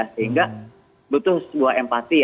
sehingga butuh sebuah empati